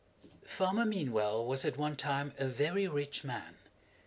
Farmer Meanwell was at one time a very rich man.